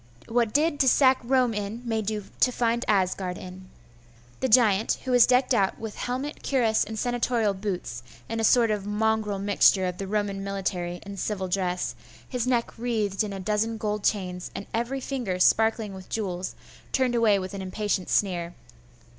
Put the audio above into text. What did to sack Rome in, may do to find Asgard in.' The giant, who was decked out with helmet, cuirass, and senatorial boots, in a sort of mongrel mixture of the Roman military and civil dress, his neck wreathed with a dozen gold chains, and every finger sparkling with jewels, turned away with an impatient sneer.